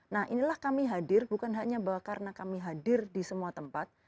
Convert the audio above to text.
nah inilah kami hadir bukan hanya bahwa karena kami hadir di semua tempat